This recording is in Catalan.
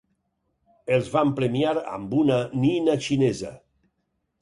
Els van premiar amb una nina xinesa.